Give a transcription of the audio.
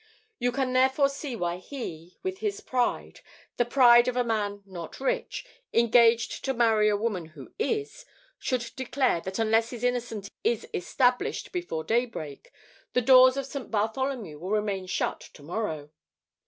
You can therefore see why he, with his pride the pride off a man not rich, engaged to marry a woman who is should declare that unless his innocence is established before daybreak, the doors of St. Bartholomew will remain shut to morrow."